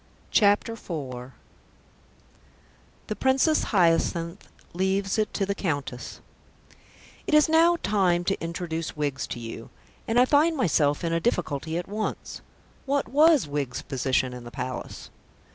CHAPTER IV THE PRINCESS HYACINTH LEAVES IT TO THE COUNTESS It is now time to introduce Wiggs to you, and I find myself in a difficulty at once. What was Wiggs's position in the Palace?